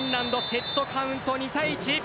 セットカウント、２対１。